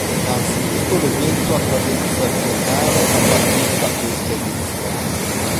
Innanzitutto l'evento ha cadenza biennale a partire da questa edizione.